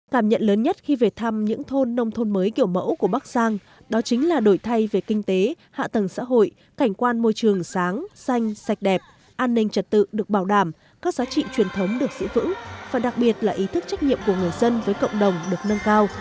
cảm nhận lớn nhất khi về thăm những thôn nông thôn mới kiểu mẫu của bắc sang đó chính là đổi thay về kinh tế hạ tầng xã hội cảnh quan môi trường sáng xanh sạch đẹp an ninh trật tự được bảo đảm các giá trị truyền thống được giữ vững và đặc biệt là ý thức trách nhiệm của người dân với cộng đồng được nâng cao